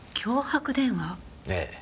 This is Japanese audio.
ええ。